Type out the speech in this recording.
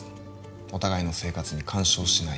お互いの生活に干渉しない